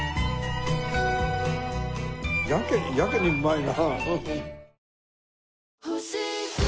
やけにやけにうまいな。